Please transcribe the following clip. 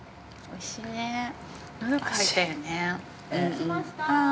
◆おいしいねー。